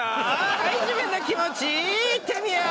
はい自分の気持ち言ってみよう！